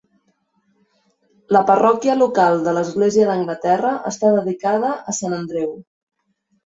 La parròquia local de l'Església d'Anglaterra està dedicada a Sant Andreu.